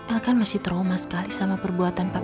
el kan masih trauma sekali sama perbuatan papanya